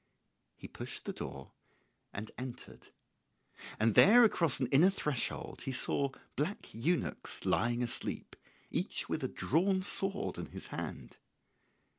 He pushed the door and entered; and there across an inner threshold he saw black eunuchs lying asleep, each with a drawn sword in his hand.